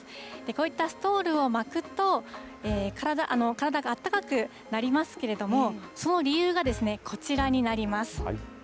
こういったストールを巻くと、体があったかくなりますけども、その理由が、こちらになります。